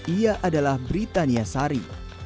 ia adalah britania sari